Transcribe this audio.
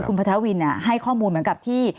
คุณพัทธวินให้ข้อมูลเหมือนกับที่